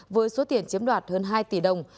với số tiền chiếm đoạt hơn hai tỷ đồng